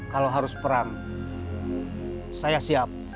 kalau harus perang saya siap